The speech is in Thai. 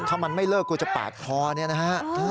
ถ้ามันไม่เลิกกูจะปาดคอเนี่ยนะฮะ